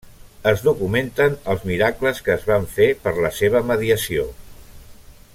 Es documenten els miracles que es van fer per la seva mediació.